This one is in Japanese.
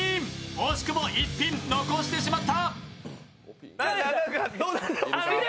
惜しくも１ピン残してしまった。